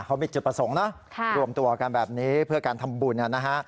เขามีจุดประสงค์นะรวมตัวกันแบบนี้เพื่อการทำบุญนะฮะ